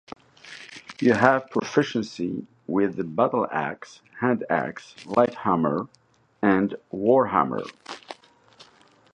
You have proficiency with the battleaxe, handaxe, light hammer, and warhammer.